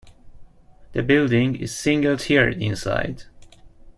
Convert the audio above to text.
The building is single-tiered inside.